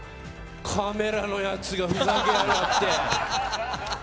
カメラのやつ、ふざけやがって。